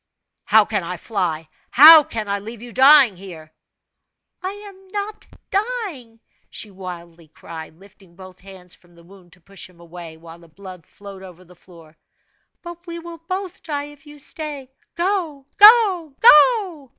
"How can I fly? how can I leave you dying here?" "I am not dying!" she wildly cried, lifting both hands from the wound to push him away, while the blood flowed over the floor. "But we will both die if you stay. Go go go!"